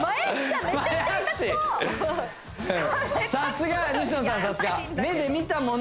さすが西野さん